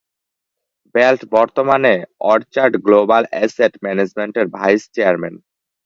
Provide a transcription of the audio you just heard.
Belt বর্তমানে Orchard Global Asset ম্যানেজমেন্টের vice chairman.